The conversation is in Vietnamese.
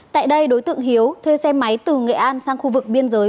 tại đây đối tượng hiếu thuê xe máy từ nghệ an sang khu vực biên giới